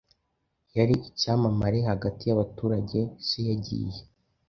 Yari icyamamare hagati yabaturage se yagiye